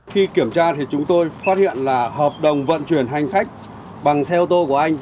khi kiểm tra thì chúng tôi phát hiện là hợp đồng vận chuyển hành khách bằng xe ô tô của anh